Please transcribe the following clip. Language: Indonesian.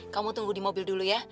kamu tunggu di mobil dulu ya